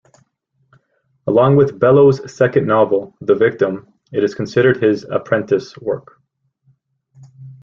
Along with Bellow's second novel "The Victim", it is considered his "apprentice" work.